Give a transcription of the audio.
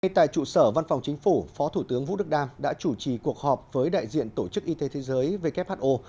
ngay tại trụ sở văn phòng chính phủ phó thủ tướng vũ đức đam đã chủ trì cuộc họp với đại diện tổ chức y tế thế giới who